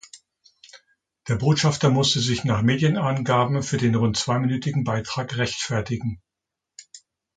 Der Botschafter musste sich nach Medienangaben für den rund zweiminütigen Beitrag rechtfertigen.